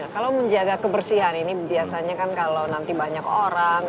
kalau menjaga kebersihan ini biasanya kan kalau nanti banyak orang